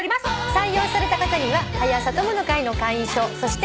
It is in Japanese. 採用された方には「はや朝友の会」の会員証そして。